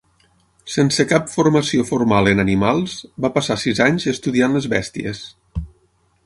Sense cap formació formal en animals, va passar sis anys estudiant les bèsties.